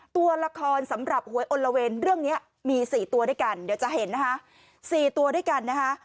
ตัวละครสำหรับหวยอลละเวนเรื่องนี้มี๔ตัวด้วยกันเดี๋ยวจะเห็นนะคะ๔ตัวด้วยกันนะคะ